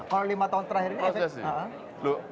kalau lima tahun terakhir ini efek